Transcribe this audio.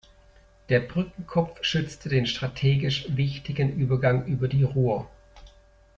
Der Brückenkopf schützte den strategisch wichtigen Übergang über die Rur.